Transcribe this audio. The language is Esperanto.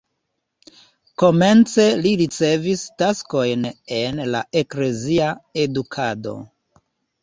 Komence li ricevis taskojn en la eklezia edukado.